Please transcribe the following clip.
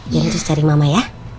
jangan terus cari mama ya